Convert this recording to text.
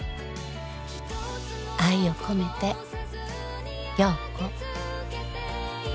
「愛をこめて陽子」